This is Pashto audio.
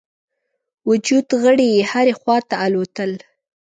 وجود غړي هري خواته الوتل.